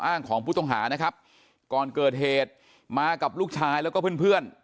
ของผู้ต้องหานะครับก่อนเกิดเหตุมากับลูกชายแล้วก็เพื่อนเพื่อน